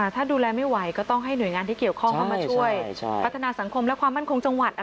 ถ้าดูแลไม่ไหวก็ต้องให้หน่วยงานที่เกี่ยวข้องเข้ามาช่วย